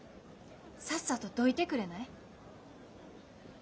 さっさとどいてくれない？